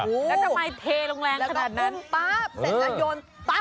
แล้วทำไมเทลงแรงขนาดนั้น